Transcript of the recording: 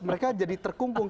mereka jadi terkungkung